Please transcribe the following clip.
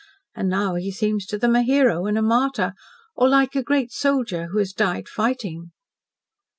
And now he seems to them a hero and a martyr or like a great soldier who has died fighting."